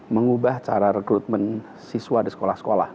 mengubah cara rekrutmen siswa di sekolah sekolah